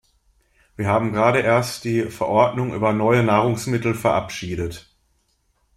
Wir haben gerade erst die Verordnung über neue Nahrungsmittel verabschiedet.